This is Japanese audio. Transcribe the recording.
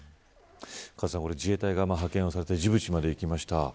カズさん、自衛隊が派遣されてジブチまで行きました。